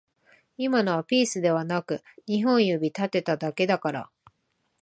今のはピースではなく二本指立てただけだから